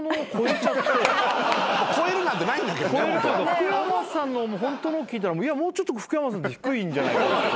福山さんのホントのを聴いたらもうちょっと福山さんって低いんじゃないかって。